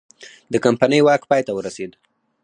د کمپنۍ واک پای ته ورسید.